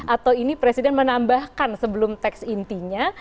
atau ini presiden menambahkan sebelum teks intinya